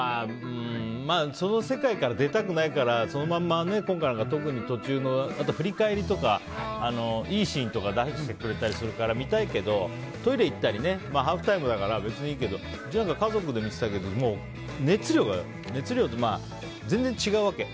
その世界から出たくないから特に途中のあとは振り返りとかいいシーンとか出してくれたりするから見たいけどトイレ行ったりハーフタイムだから別にいいけどうちは家族で見てたけどもう熱量が全然違うわけ。